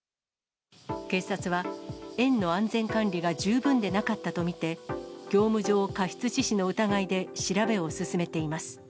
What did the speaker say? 警察は、園の安全管理が十分でなかったと見て、業務上過失致死の疑いで調べを進めています。